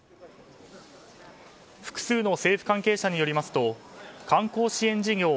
複数の政府関係者によりますと観光支援事業